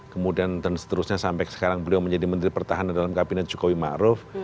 kemudian dan seterusnya sampai sekarang beliau menjadi menteri pertahanan dalam kabinet jokowi ma'ruf